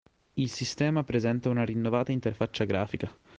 Il sistema presenta una rinnovata interfaccia grafica.